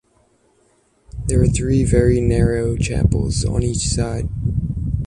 There are three very narrow chapels on each side.